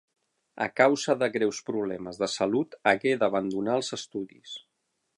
A causa de greus problemes de salut, hagué d'abandonar els estudis.